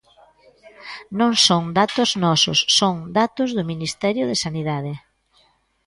Non son datos nosos, son datos do Ministerio de Sanidade.